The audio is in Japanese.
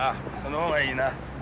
その方がいいな。